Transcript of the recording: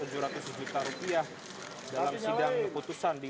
juta rupiah dalam sidang keputusan di